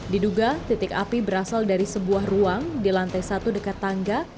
diduga titik api berasal dari sebuah ruang di lantai satu dekat tangga